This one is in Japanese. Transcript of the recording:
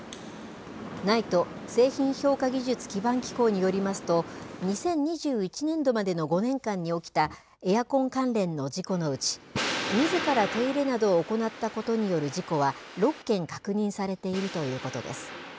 ＮＩＴＥ・製品評価技術基盤機構によりますと、２０２１年度までの５年間に起きたエアコン関連の事故のうち、みずから手入れなどを行ったことによる事故は６件確認されているということです。